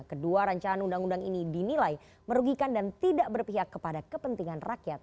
kedua rancangan undang undang ini dinilai merugikan dan tidak berpihak kepada kepentingan rakyat